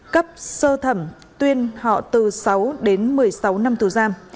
cấp sơ thẩm tuyên họ từ sáu đến một mươi sáu năm tù giam